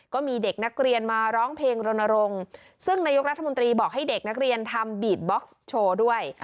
ก็มีเด็กนักเรียนมาร้องเพลงรณรงค์ซึ่งนายกรัฐมนตรีบอกให้เด็กนักเรียนทำบีดบ็อกซ์โชว์ด้วย